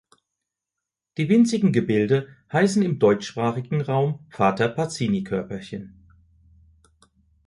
Die winzigen Gebilde heißen im deutschsprachigen Raum Vater-Pacini-Körperchen.